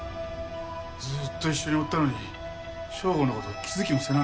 ずーっと一緒におったのに省吾の事気づきもせなんだからな。